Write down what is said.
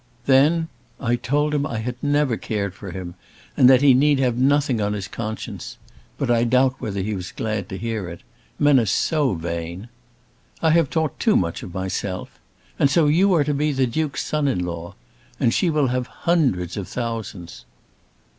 Then, I told him I had never cared for him, and that he need have nothing on his conscience. But I doubt whether he was glad to hear it. Men are so vain! I have talked too much of myself. And so you are to be the Duke's son in law. And she will have hundreds of thousands."